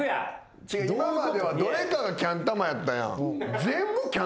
今まではどれかがキャン玉やったやん。